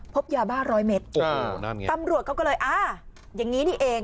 พบยาบ้าร้อยเม็ดตำรวจก็เลยอ่าอย่างงี้นี่เอง